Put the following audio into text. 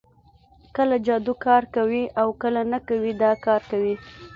کله جادو کار کوي او کله نه کوي دا کار کوي